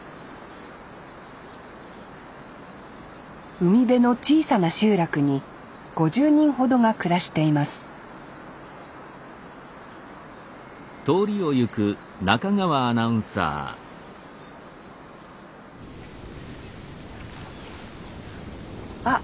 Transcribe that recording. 海辺の小さな集落に５０人ほどが暮らしていますあっ